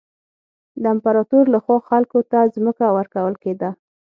د امپراتور له خوا خلکو ته ځمکه ورکول کېده.